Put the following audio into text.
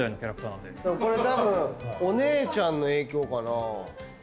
これたぶんお姉ちゃんの影響かな。